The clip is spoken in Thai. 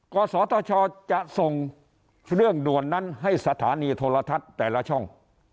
กศธชจะส่งเรื่องด่วนนั้นให้สถานีโทรทัศน์แต่ละช่อง